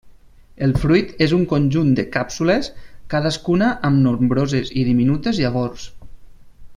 El fruit és un conjunt de càpsules, cadascuna amb nombroses i diminutes llavors.